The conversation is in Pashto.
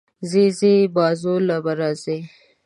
ځې ځې، بازو له به راځې